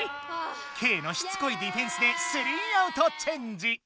ケイのしつこいディフェンスで３アウトチェンジ！